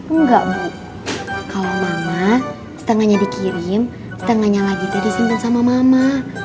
enggak bu kalau mama setengahnya dikirim setengahnya lagi dia disimpan sama mama